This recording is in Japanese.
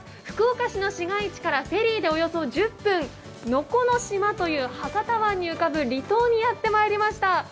福岡市の市街地からフェリーでおよそ１０分能古島という博多湾に浮かぶ離島にやってまいりました。